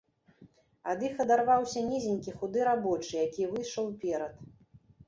Ад іх адарваўся нізенькі худы рабочы, які выйшаў уперад.